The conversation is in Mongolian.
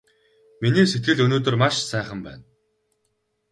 Миний сэтгэл өнөөдөр маш сайхан байна!